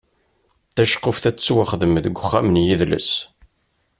Taceqquft ad tettwaxdem deg uxxam n yidles.